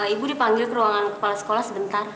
ibu dipanggil ke ruangan kepalasekolah sebentar